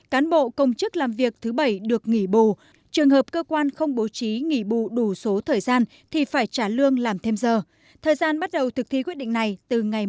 cán bộ công chức làm việc thứ bảy được nghỉ bù trường hợp cơ quan không bố trí nghỉ bù đủ số thời gian thì phải trả lương làm thêm giờ thời gian bắt đầu thực thi quyết định này từ ngày một mươi tháng ba năm hai nghìn một mươi bảy